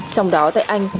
trong đó tại anh